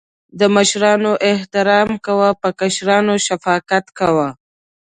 د مشرانو احترام کوه.په کشرانو شفقت کوه